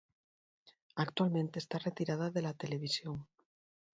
Actualmente está retirada de la televisión.